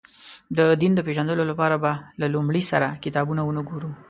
د دین د پېژندلو لپاره به له لومړي سره کتابونه ونه ګورو.